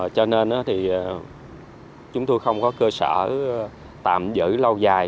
cho nên thì chúng tôi không có cơ sở tạm giữ lâu dài